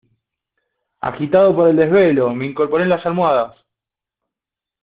agitado por el desvelo me incorporé en las almohadas.